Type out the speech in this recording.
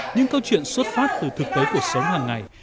những câu chuyện xuất phát từ thực tế cuộc sống hàng ngày